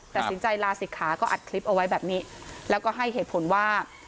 ตัดสินใจลาศิกขาก็อัดคลิปเอาไว้แบบนี้แล้วก็ให้เหตุผลว่า